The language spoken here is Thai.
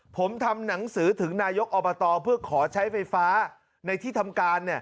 ผมทำหนังสือถึงนายกอบตเพื่อขอใช้ไฟฟ้าในที่ทำการ